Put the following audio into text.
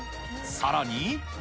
さらに。